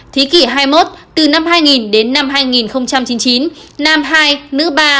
thế kỷ hai mươi một từ năm hai nghìn đến năm hai nghìn chín mươi chín nam hai nữ ba